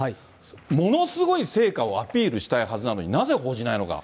ものすごい成果をアピールしたいはずなのに、なぜ報じないのか。